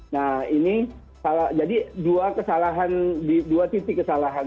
nah ini salah jadi dua kesalahan dua titik kesalahan